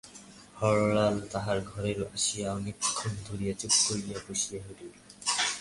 হরলাল তাহার ঘরে আসিয়া অনেকক্ষণ ধরিয়া চুপ করিয়া বসিয়া রহিল।